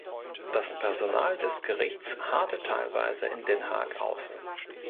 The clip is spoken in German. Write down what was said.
Das Personal des Gerichts harrte teilweise in Den Haag aus.